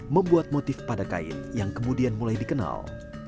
membuat motif pada kain yang kemudian mulai dikenal